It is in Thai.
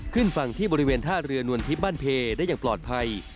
ขึ้นฝั่งที่บริเวณท่าเรือนวลทิพย์บ้านเพได้อย่างปลอดภัย